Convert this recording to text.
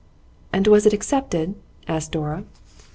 'And was it accepted?' asked Dora.